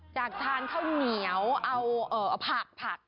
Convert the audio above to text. อยากทานข้าวเหนียวเอาผัก